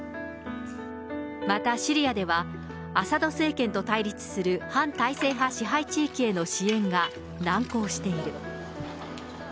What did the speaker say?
また、シリアではアサド政権と対立する反体制派支配地域への支援が難航している。